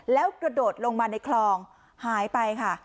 แล้วกระโดดลงมาในคลองหายไปค่ะ